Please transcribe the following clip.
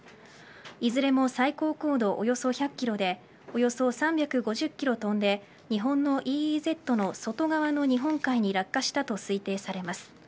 いずれも最高高度およそ１００キロでおよそ３５０キロ飛んで日本のＥＥＺの外側の日本海に落下したと推定されます。